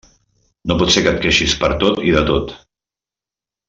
No pot ser que et queixis per tot i de tot.